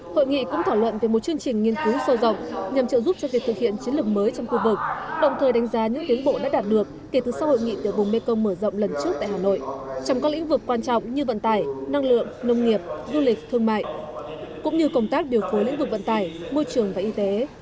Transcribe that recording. hội nghị cũng thảo luận về một chương trình nghiên cứu sâu rộng nhằm trợ giúp cho việc thực hiện chiến lược mới trong khu vực đồng thời đánh giá những tiến bộ đã đạt được kể từ sau hội nghị tiểu vùng mekong mở rộng lần trước tại hà nội trong các lĩnh vực quan trọng như vận tải năng lượng nông nghiệp du lịch thương mại cũng như công tác điều phối lĩnh vực vận tải môi trường và y tế